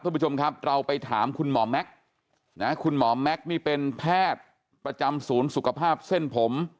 คุณผู้ชมครับเราไปถามคุณหมอแม็กซ์นะคุณหมอแม็กซ์นี่เป็นแพทย์ประจำศูนย์สุขภาพเส้นผม